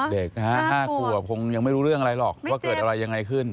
เด็ก๕ขวบคงยังไม่รู้เรื่องอะไรหรอกว่าเกิดอะไรยังไงขึ้น